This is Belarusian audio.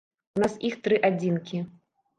У нас іх тры адзінкі.